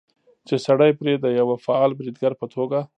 چې سړى پرې د يوه فعال بريدګر په توګه